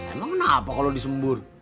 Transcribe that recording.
emang kenapa kalo disembur